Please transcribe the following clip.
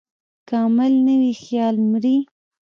که عمل نه وي، خیال مري.